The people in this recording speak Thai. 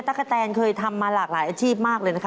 กะแตนเคยทำมาหลากหลายอาชีพมากเลยนะคะ